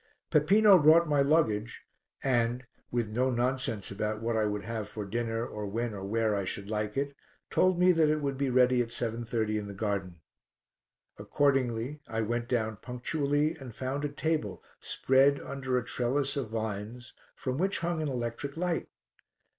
Peppino brought my luggage and, with no nonsense about what I would have for dinner or when or where I should like it, told me that it would be ready at 7.30 in the garden. Accordingly I went down punctually and found a table spread under a trellis of vines from which hung an electric light.